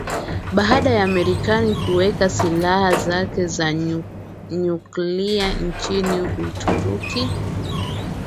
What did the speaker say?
Baada ya Marekani kuweka Silaha zake za Nyuklia nchini Uturuki